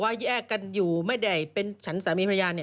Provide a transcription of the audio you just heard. ถ้าคุณอยู่ไม่ได้เป็นฉันสามีพระญาณ